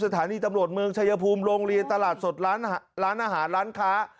สถานีตำรวจเมืองชายภูมิโรงเรียนตลาดสดร้านอาหารร้านค้า